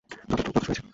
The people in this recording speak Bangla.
যথেষ্ট, যথেষ্ট হয়েছে!